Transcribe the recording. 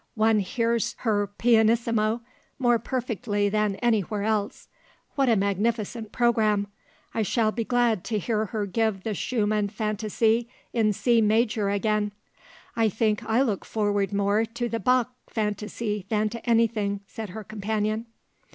"One hears her pianissimo more perfectly than anywhere else. What a magnificent programme! I shall be glad to hear her give the Schumann Fantaisie in C Major again." "I think I look forward more to the Bach Fantaisie than to anything," said her companion.